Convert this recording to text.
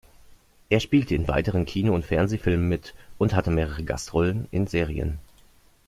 Er spielte in weiteren Kino- und Fernsehfilmen mit und hatte mehrere Gastrollen in Serien.